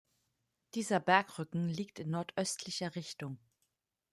Dieser Bergrücken liegt in nordöstlicher Richtung.